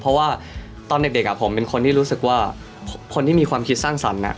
เพราะว่าตอนเด็กผมเป็นคนที่รู้สึกว่าคนที่มีความคิดสร้างสรรค์